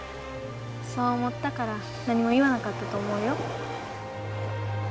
そう思ったから何も言わなかったと思うよ。